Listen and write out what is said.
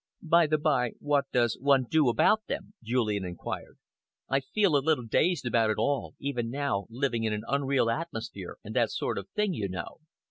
"By the bye, what does one do about them?" Julian enquired. "I feel a little dazed about it all, even now living in an unreal atmosphere and that sort of thing, you know.